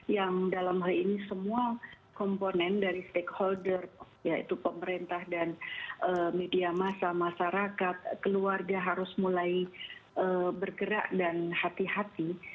yang dalam hal ini semua komponen dari stakeholder yaitu pemerintah dan media masa masyarakat keluarga harus mulai bergerak dan hati hati